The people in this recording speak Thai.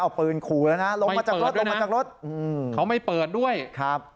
เอาปืนขู่แล้วนะลงมาจากรถลงมาจากรถเขาไม่เปิดด้วยครับ